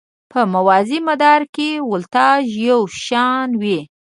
په موازي مدار کې ولتاژ یو شان وي.